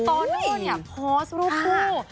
โตโน่เนี่ยโพสต์รูปคู่